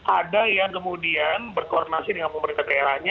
ada yang kemudian berkoordinasi dengan pemerintah daerahnya